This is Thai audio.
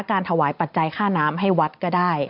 การถวายปัจจัยค่าน้ำให้วัดก็ได้